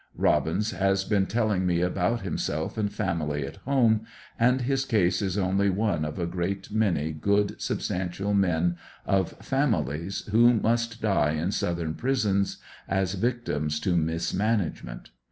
Kobins has been telling me about himself and family at home, and his case is only one of a great many good substantial men of families who must die in Southern prisons, as victims to mismanagement.